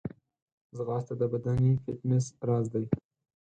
ځغاسته د بدني فټنس راز دی